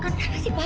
kenapa sih pak